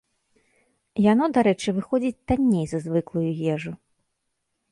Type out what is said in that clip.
Яно, дарэчы, выходзіць танней за звыклую ежу.